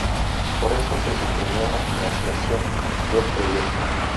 Por eso se suprimió la financiación del proyecto.